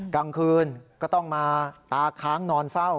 กลางคืนก็ต้องมาตาค้างนอนเฝ้า